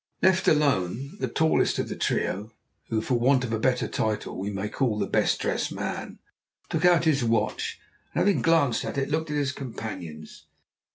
Left alone, the tallest of the trio, who for want of a better title we may call the Best Dressed Man, took out his watch, and having glanced at it, looked at his companions.